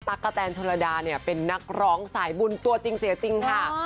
กะแตนชนระดาเนี่ยเป็นนักร้องสายบุญตัวจริงเสียจริงค่ะ